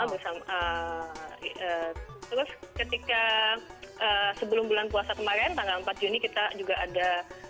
bersama terus ketika sebelum bulan puasa kemarin tanggal empat juni kita juga ada